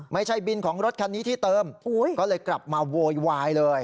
ไม่ใช่บินของรถคันนี้ที่เติมก็เลยกลับมาโวยวายเลย